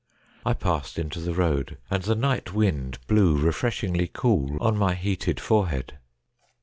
I passed into the road, and the night wind blew refresh ingly cool on my heated forehead.